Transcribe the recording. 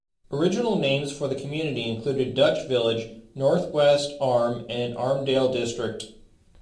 Original names for the community included Dutch Village, North-West Arm, and Armdale District.